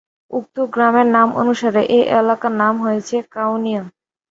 উক্ত গ্রামের নাম অনুসারে এ এলাকার নাম হয়েছে কাউনিয়া।